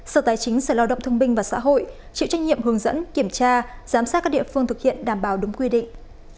sở tài chính sở lao động thương binh và xã hội chịu trách nhiệm hướng dẫn kiểm tra giám sát các địa phương thực hiện đảm bảo đúng quy định